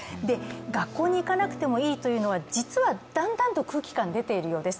学校に行かなくてもいいというのは実はだんだん空気感出ているようです。